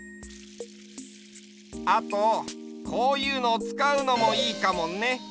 あとこういうのを使うのもいいかもね。